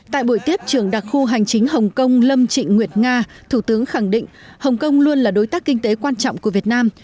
theo hành chính hồng kông lâm trịnh nguyệt nga thủ tướng khẳng định hồng kông luôn là đối tác kinh tế quan trọng của việt nam